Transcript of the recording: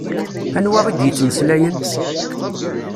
Anwa i d-yettmeslayen?